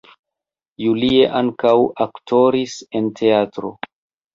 Julie ankaŭ aktoris en teatro.